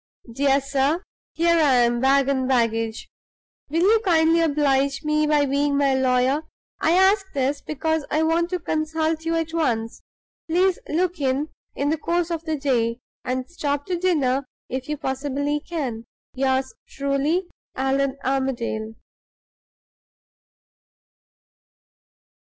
"Dear Sir Here I am, bag and baggage. Will you kindly oblige me by being my lawyer? I ask this, because I want to consult you at once. Please look in in the course of the day, and stop to dinner if you possibly can. Yours truly. ALLAN ARMADALE."